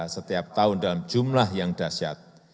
setiap tahun dalam jumlah yang dasyat